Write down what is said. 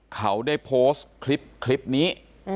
เขาได้โพสต์คลิปนี้